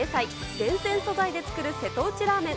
厳選素材で作る瀬戸内ラーメン。